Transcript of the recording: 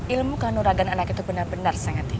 ilmu kondor agen anak itu benar benar sangat tinggi